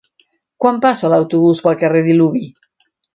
Quan passa l'autobús pel carrer Diluvi?